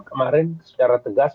kemarin secara tegas